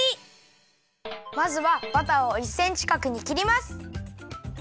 まずはバターを１センチかくにきります。